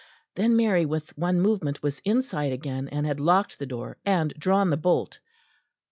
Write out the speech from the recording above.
Then Mary with one movement was inside again, and had locked the door and drawn the bolt.